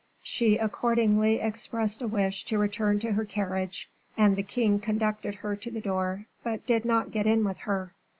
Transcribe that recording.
She accordingly expressed a wish to return to her carriage, and the king conducted her to the door, but did not get in with her.